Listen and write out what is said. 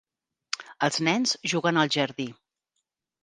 Els nens juguen al jardí.